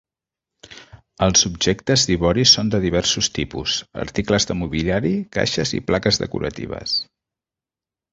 Els objectes d'ivori són de diversos tipus: articles de mobiliari, caixes i plaques decoratives.